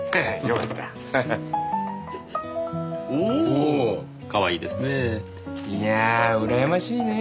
かわいいですねぇ。